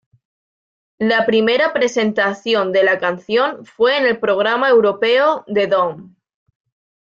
La primera presentación de la canción fue en el programa europeo "The Dome".